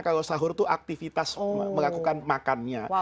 kalau sahur itu aktivitas melakukan makannya